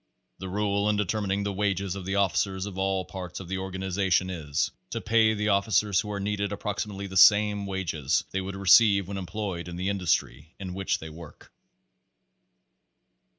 The rule in determining the wages of the officers of all parts of the organization is, to pay the officers who are needed approximately the same wages they would receive when employed in the industry in which they work.